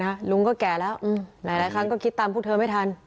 ลุงก็แก่แล้วหลายครั้งก็คิดตามพวกเธอไม่ทัน